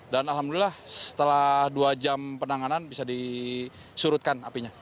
dan alhamdulillah setelah dua jam penanganan bisa disurutkan apinya